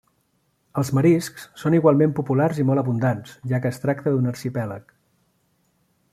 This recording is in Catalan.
Els mariscs són igualment populars i molt abundants, ja que es tracta d'un arxipèlag.